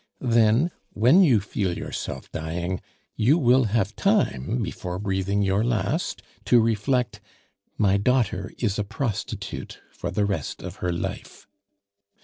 Then, when you feel yourself dying, you will have time before breathing your last to reflect, 'My daughter is a prostitute for the rest of her life!